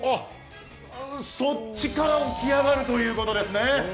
そっちから起き上がるということですね。